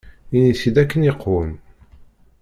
Ini-t-id akken iqwem.